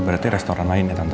berarti restoran lain ya tentu